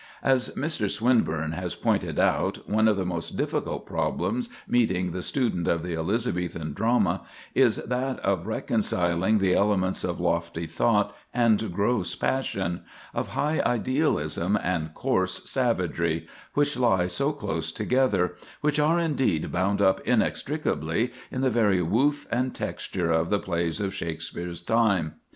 As Mr. Swinburne has pointed out, one of the most difficult problems meeting the student of the Elizabethan drama, is that of reconciling the elements of lofty thought and gross passion, of high idealism and coarse savagery, which lie so close together, which are indeed bound up inextricably, in the very woof and texture of the plays of Shakspere's time.